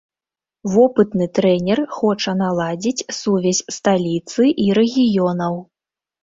Вопытны трэнер хоча наладзіць сувязь сталіцы і рэгіёнаў.